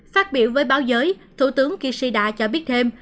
phát biểu với báo giới thủ tướng kishida cho biết thêm